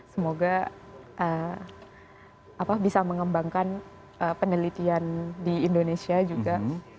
semoga bisa mengembangkan penelitian di indonesia juga